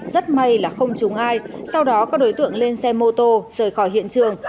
rất may là không trúng ai sau đó các đối tượng lên xe mô tô rời khỏi hiện trường